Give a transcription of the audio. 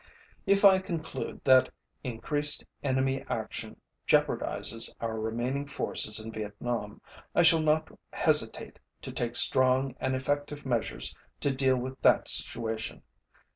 If I conclude that increased enemy action jeopardizes our remaining forces in Vietnam, I shall not hesitate to take strong and effective measures to deal with that situation.